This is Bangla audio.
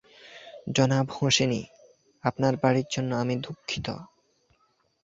জনাব হোসেনী, আপনার বাড়ির জন্য আমি দুঃখিত।